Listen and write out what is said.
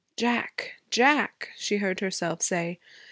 'Jack! Jack!' she heard herself say.